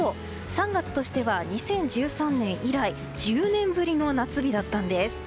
３月としては２０１３年以来１０年ぶりの夏日だったんです。